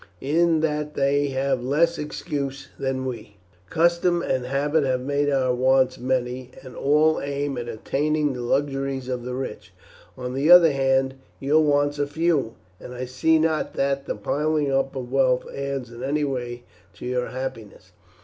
In that they have less excuse than we. Custom and habit have made our wants many, and all aim at attaining the luxuries of the rich. On the other hand, your wants are few, and I see not that the piling up of wealth adds in any way to your happiness."